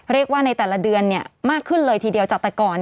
เรียกว่าในแต่ละเดือนมากขึ้นเลยทีเดียวจากแต่ก่อน